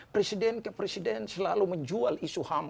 presiden ke presiden selalu menjual isu ham